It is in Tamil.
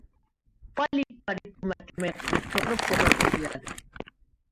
பள்ளிப் படிப்பு மட்டும் எனக்குச் சோறு போட முடியாது.